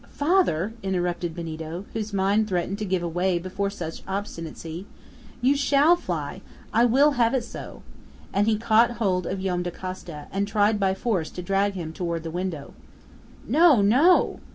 "Father," interrupted Benito, whose mind threatened to give way before such obstinacy, "you shall fly! I will have it so!" And he caught hold of Joam Dacosta, and tried by force to drag him toward the window. "No! no!"